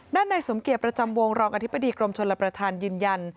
ในสมเกียจประจำวงรองอธิบดีกรมชลประธานยืนยัน